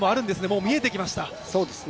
もう見えてきました。